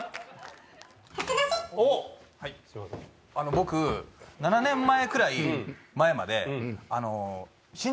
僕７年前くらい前まで。